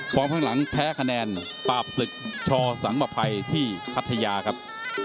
ข้างหลังแพ้คะแนนปราบศึกชอสังประภัยที่พัทยาครับ